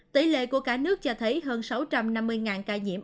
tỷ lệ của cả nước cho thấy hơn sáu trăm năm mươi ca nhiễm